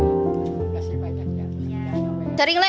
tergantung besar kecilnya lubang